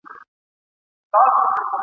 پروازونه یې څښتن ته تماشا وه ..